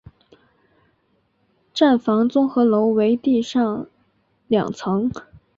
站房综合楼为地上两层。